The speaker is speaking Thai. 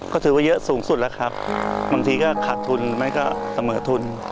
ก็ถือว่าเยอะสูงสุดแล้วครับบางทีก็ขาดทุนมันก็เสมอทุน